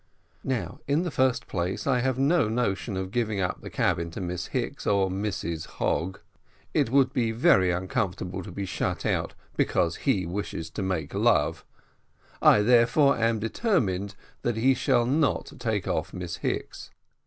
Now, in the first place, I have no notion of giving up the cabin to Miss Hicks or Mrs Hogg. It will be very uncomfortable to be shut out because he wishes to make love; I therefore am determined that he shall not take off Miss Hicks.